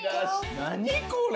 何これ！？